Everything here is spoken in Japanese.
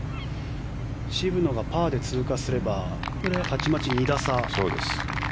渋野がパーで通過すればたちまち２打差。